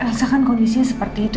elsa kan kondisinya seperti itu